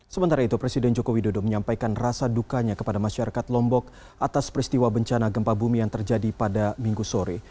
sementara itu presiden joko widodo menyampaikan rasa dukanya kepada masyarakat lombok atas peristiwa bencana gempa bumi yang terjadi pada minggu sore